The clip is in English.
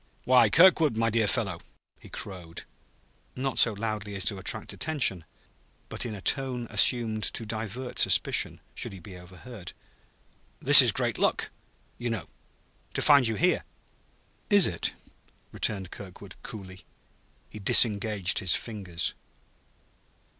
"Why, Kirkwood, my dear fellow!" he crowed not so loudly as to attract attention, but in a tone assumed to divert suspicion, should he be overheard. "This is great luck, you know to find you here." "Is it?" returned Kirkwood coolly. He disengaged his fingers.